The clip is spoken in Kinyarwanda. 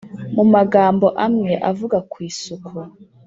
mu magambo amwe avuga ku isuku.